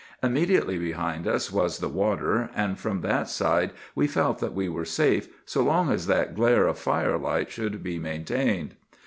Immediately behind us was the water, and from that side we felt that we were safe so long as that glare of firelight could be maintained.